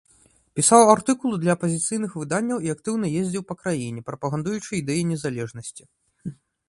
Пісаў артыкулы для апазіцыйных выданняў і актыўна ездзіў па краіне, прапагандуючы ідэі незалежнасці.